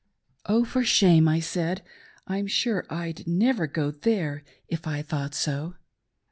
" Oh, for shame !" I said, " I'm sure I'd never go there if I thought so."